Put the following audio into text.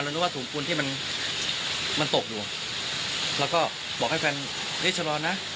นึกว่าถุงปูนที่มันมันตกอยู่แล้วก็บอกให้แฟนเฮ้ยชะลอนะ